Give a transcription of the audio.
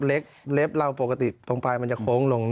เล็กเล็บเราปกติตรงปลายมันจะโค้งลง